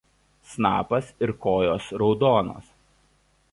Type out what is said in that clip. Snapas ir kojos raudonos.